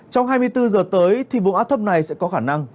trong hai mươi bốn giờ tới thì vùng áp thấp này sẽ có khả năng